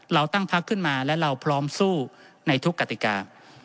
เราตั้งพักขึ้นมาและเราพร้อมสู้ในทุกกติกา